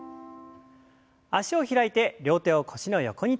脚を開いて両手を腰の横にとりましょう。